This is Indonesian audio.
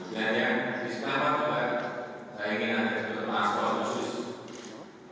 dan yang diselamatkan saya ingin ada transport khusus